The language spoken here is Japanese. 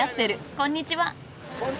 こんにちは。